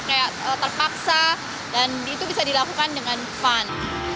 tanpa merasa tertekan tanpa harus merasa kayak terpaksa dan itu bisa dilakukan dengan fun